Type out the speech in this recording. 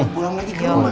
buang lagi rumah